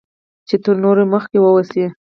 چې تر نورو مخکې واوسی